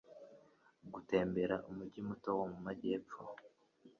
gutembera umujyi muto wo mu majyepfo